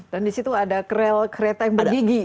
dan di situ ada kerel kereta yang bergigi